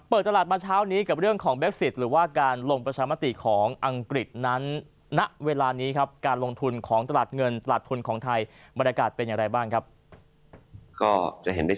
เปิดตลาดมาเช้านี้กับเรื่องของเว็กซิตหรือว่าการลงประชามาติของอังกฤษนั้น